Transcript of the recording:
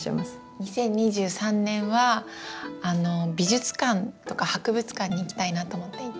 ２０２３年は美術館とか博物館に行きたいなと思っていて。